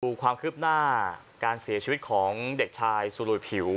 ดูความคืบหน้าการเสียชีวิตของเด็กชายสุลุยผิว